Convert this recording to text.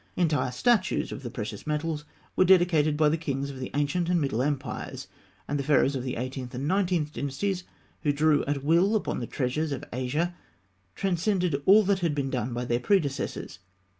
Entire statues of the precious metals were dedicated by the kings of the ancient and middle empires; and the Pharaohs of the Eighteenth and Nineteenth Dynasties, who drew at will upon the treasures of Asia, transcended all that had been done by their predecessors.